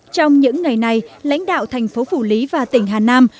trong những ngày này lãnh đạo thành phố phủ lý và tỉnh hà nam